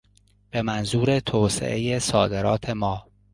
به منظور توسعهی صادرات ما